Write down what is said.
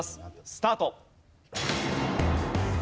スタート。